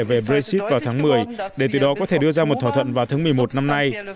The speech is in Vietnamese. về brexit vào tháng một mươi để từ đó có thể đưa ra một thỏa thuận vào tháng một mươi một năm nay